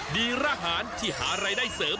รหารที่หารายได้เสริม